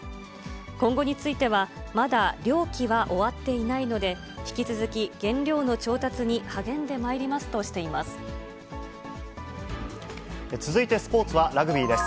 今後については、まだ漁期は終わっていないので、引き続き原料の調達に励んでまいりますとしています。